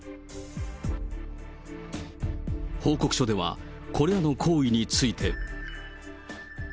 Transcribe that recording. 報告書では、これらの行為について。